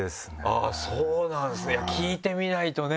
あぁそうなんですね。聞いてみないとね。